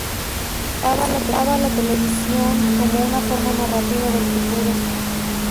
Consideraba la televisión como una forma narrativa del futuro.